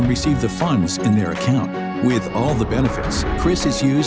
dari pelanggan sistem uang uang